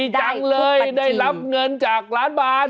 จังเลยได้รับเงินจากล้านบาท